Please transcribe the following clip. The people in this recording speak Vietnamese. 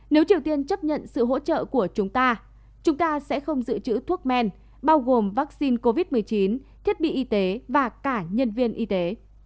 nếu triều tiên chấp nhận sự hỗ trợ của chúng ta chúng ta sẽ không giữ chữ thuốc men bao gồm vaccine covid một mươi chín thiết bị y tế và cả nhân viên y tế